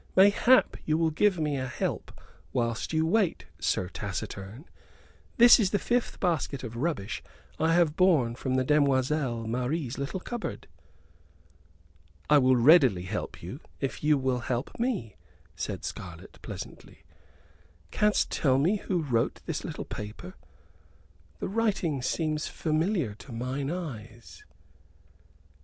"Mayhap you will give me a help whilst you wait, Sir Taciturn? This is the fifth basket of rubbish I have borne from the demoiselle Marie's little cupboard." "I will readily help you if you will help me," said Scarlett, pleasantly. "Canst tell me who wrote this little paper? The writing seemeth familiar to mine eyes."